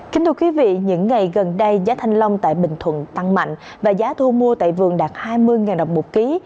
kính thưa quý vị những ngày gần đây giá thanh long tại bình thuận tăng mạnh và giá thu mua tại vườn đạt hai mươi đồng một ký